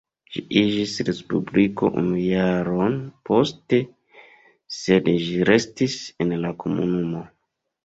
Ĝi iĝis respubliko unu jaron poste sed ĝi restis en la Komunumo.